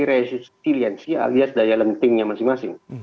resisteliansi alias daya lentingnya masing masing